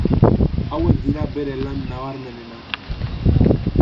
Hauek dira bere lan nabarmenenak.